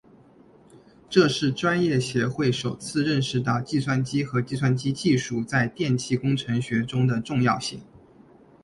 这是专业协会首次认识到计算机和计算机技术在电气工程学中的重要性。